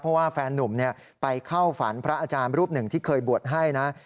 เพราะว่าแฟนนุ่มไปเข้าฝันพระอาจารย์รูปหนึ่งที่เคยบวชให้นะ